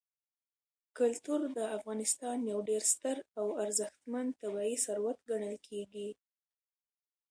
کلتور د افغانستان یو ډېر ستر او ارزښتمن طبعي ثروت ګڼل کېږي.